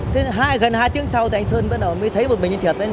thế gần hai tiếng sau thì anh sơn bắt đầu mới thấy một mình anh thiệp đấy